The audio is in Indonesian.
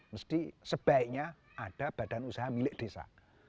mesti sebaiknya ada badan usaha milik desa